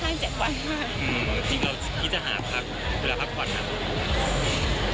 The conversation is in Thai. ไม่น่าจะรู้ด้วยซ้ำเลยค่ะเพราะว่าพึ่งมาเป็นนักหนังวันนี้เลยอ่ะค่ะ